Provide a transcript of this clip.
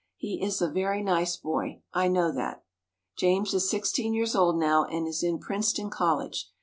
He is a very nice boy, I know that. James is sixteen years old now and is in Princeton College.